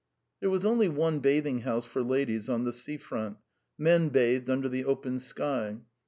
There was only one bathing house for ladies on the sea front; men bathed under the open sky.